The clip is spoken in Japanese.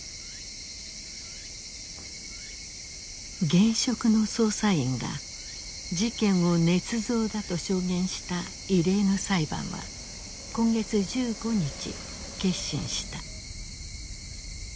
現職の捜査員が事件をねつ造だと証言した異例の裁判は今月１５日結審した。